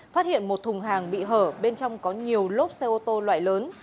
phát hiện một thùng hàng bị hở bên trong có nhiều lốp xe ô tô loại lớn